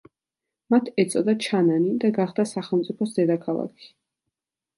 მათ ეწოდა ჩანანი და გახდა სახელმწიფოს დედაქალაქი.